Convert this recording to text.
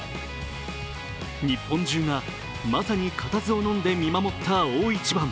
日本中が、まさに固唾をのんで見守った大一番。